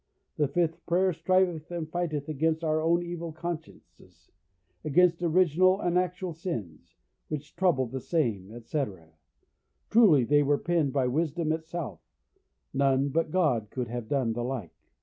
The fifth prayer striveth and fighteth against our own evil consciences, against original and actual sins, which trouble the same, etc. Truly they were penned by wisdom itself; none but God could have done the like.